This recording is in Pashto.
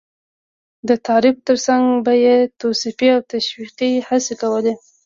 د تعارف تر څنګ به یې توصيفي او تشويقي هڅې کولې.